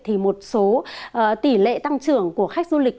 thì một số tỷ lệ tăng trưởng của khách du lịch